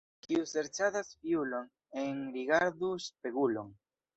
Kiu serĉadas fiulon, enrigardu spegulon.